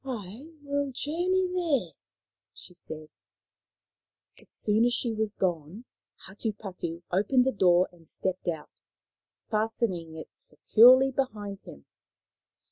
" I will journey there," she said. "6 Maoriland Fairy Tales As soon as she was gone Hatupatu opened the door and stepped out, fastening it securely behind him.